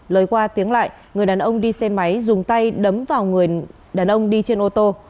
lời qua tiếng lại người đàn ông đi xe máy dùng tay đấm vào người đàn ông đi trên ô tô